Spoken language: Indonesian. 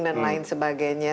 dan lain sebagainya